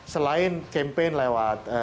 selain campaign lewat